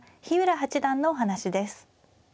日浦八段のお話です。